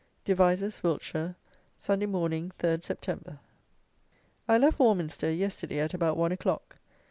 Devizes, (Wilts), Sunday Morning, 3rd Sept. I left Warminster yesterday at about one o'clock.